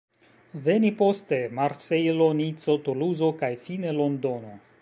Veni poste, Marsejlo, Nico, Tuluzo kaj fine Londono.